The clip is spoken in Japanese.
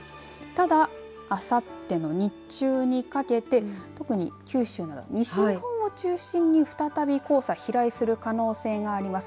ただ、あさっての日中にかけて特に九州の西日本を中心に再び黄砂飛来する可能性があります。